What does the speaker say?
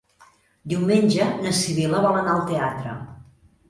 Diumenge na Sibil·la vol anar al teatre.